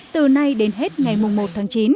từ nay đến hết ngày một tháng chín